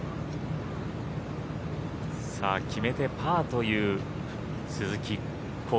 決めてパーという鈴木晃祐。